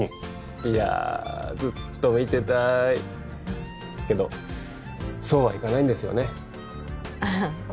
いやずっと見てたいけどそうはいかないんですよねああ